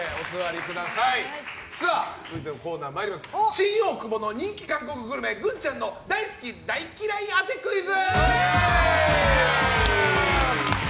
新大久保の人気韓国グルメグンちゃんの大好き大嫌いなもの当てクイズ！